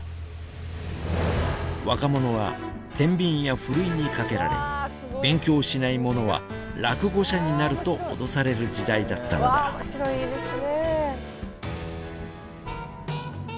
若者はてんびんやふるいにかけられ勉強しない者は落後者になると脅される時代だったのだまた来た。